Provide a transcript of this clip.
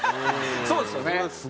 そうですよね。